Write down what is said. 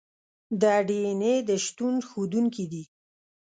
د ډي این اې د شتون ښودونکي دي.